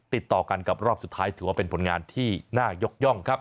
ติดต่อกันกับรอบสุดท้ายถือว่าเป็นผลงานที่น่ายกย่องครับ